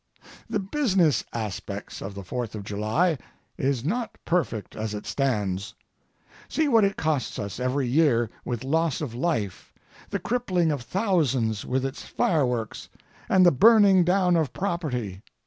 The business aspects of the Fourth of July is not perfect as it stands. See what it costs us every year with loss of life, the crippling of thousands with its fireworks, and the burning down of property.